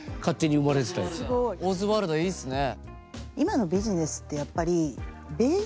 オズワルダーいいっすね。